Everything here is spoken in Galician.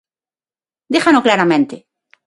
¡Dígano claramente!